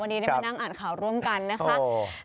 วันนี้ได้มานั่งอ่านข่าวร่วมกันนะคะ